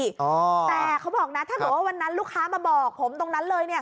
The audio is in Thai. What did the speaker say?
แต่เขาบอกนะถ้าเกิดว่าวันนั้นลูกค้ามาบอกผมตรงนั้นเลยเนี่ย